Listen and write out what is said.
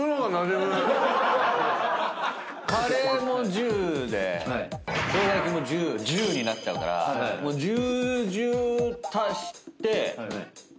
カレーも１０で生姜焼きも１０になっちゃうからもう１０・１０足して。